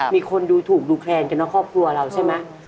มีคนดูถูกดูแคลนกันนะครอบครัวเราใช่ไหม